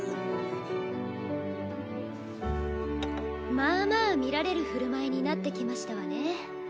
まあまあ見られる振る舞いになってきましたわね。